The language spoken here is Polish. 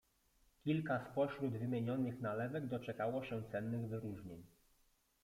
Kilka spośród wymienionych nalewek doczekało się cennych wyróżnień.